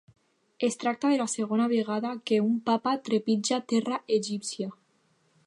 Es tracta de la segona vegada que un papa trepitja terra egípcia.